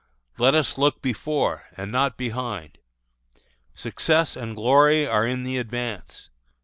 Let us look before, and not behind. Success and glory are in the advance.